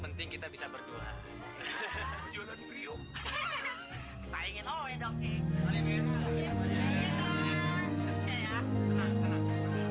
penting kita bisa berdua jualan prio saya ingin oleh dong